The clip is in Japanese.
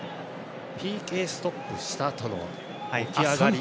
ＰＫストップしたあとの起き上がり。